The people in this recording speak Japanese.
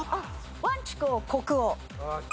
ワンチュク国王。